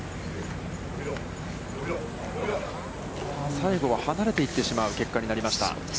最後は離れていってしまう結果になりました。